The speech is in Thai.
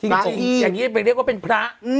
อย่างนี้เด้นเรียกว่าเป็นพระ